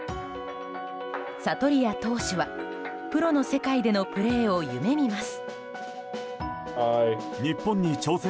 サトリア投手はプロの世界でのプレーを夢見ます。